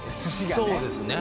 そうですね